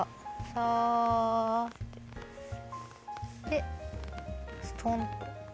でストンと。